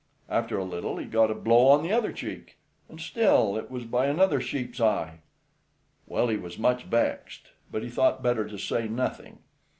After a little he got a blow on the other cheek, and still it was by another sheep's eye. Well, he was much vexed, but he thought better to say nothing.